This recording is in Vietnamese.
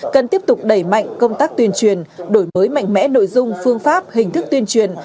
cần tiếp tục đẩy mạnh công tác tuyên truyền đổi mới mạnh mẽ nội dung phương pháp hình thức tuyên truyền